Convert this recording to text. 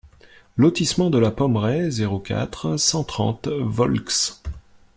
Lotissement de la Pommeraie, zéro quatre, cent trente Volx